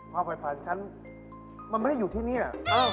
พ่อภัยภาคฉันมันไม่ได้อยู่ที่นี่ล่ะ